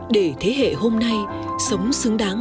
để thế hệ hôm nay sống xứng đáng